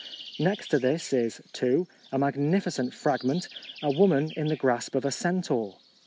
Next to this is (2) a magnificent fragment — a woman in the grasp of a centaur.